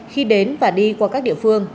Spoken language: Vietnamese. khi đến và đi qua các địa phương